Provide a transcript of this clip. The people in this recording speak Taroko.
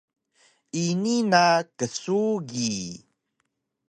ini na ksugi